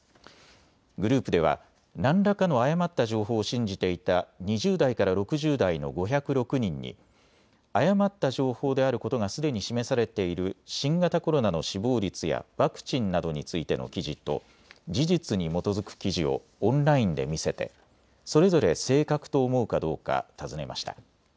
グループでは何らかの誤った情報を信じていた２０代から６０代の５０６人に誤った情報であることがすでに示されている新型コロナの死亡率やワクチンなどについての記事と事実に基づく記事をオンラインで見せてそれぞれ正確と思うかどうか尋ねました。